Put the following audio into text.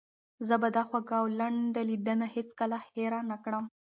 زه به دا خوږه او لنډه لیدنه هیڅکله هېره نه کړم.